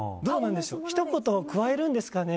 ひと言加えるんですかね。